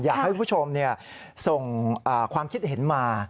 อยากให้คุณผู้ชมส่งความคิดเห็นมา